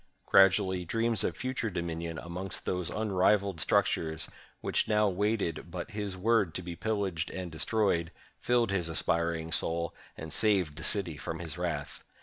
Gradually, dreams of future dominion amidst those unrivaled structures, which now waited but his word to be pillaged and destroyed, filled his aspiring soul, and saved the city from his wrath.